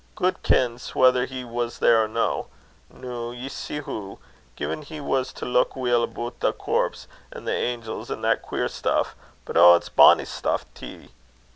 Gude kens whether he was there or no. Noo, ye see hoo, gin we was to leuk weel aboot thae corps, an' thae angels, an' a' that queer stuff but oh! it's bonny stuff tee!